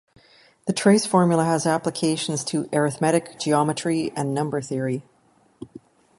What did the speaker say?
The trace formula has applications to arithmetic geometry and number theory.